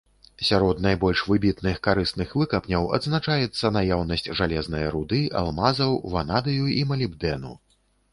Сярод найбольш выбітных карысных выкапняў адзначаецца наяўнасць жалезнае руды, алмазаў, ванадыю і малібдэну.